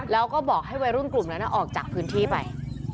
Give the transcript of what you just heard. แล้วก็บอกทำลายวัยรุ่นใหม่กลุ่มแล้วนะออกจากพื้นที่ไป